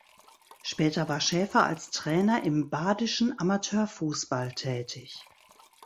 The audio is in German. Später war Schäfer als Trainer im badischen Amateurfußball tätig.